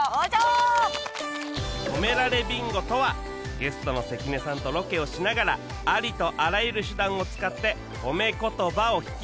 褒められビンゴとはゲストの関根さんとロケをしながらありとあらゆる手段を使って褒め言葉を引き出し